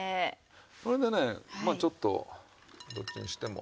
それでねまあちょっとどっちにしても。